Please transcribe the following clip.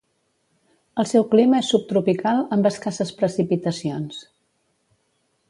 El seu clima és subtropical, amb escasses precipitacions.